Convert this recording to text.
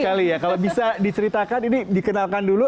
kalau bisa diceritakan ini dikenalkan dulu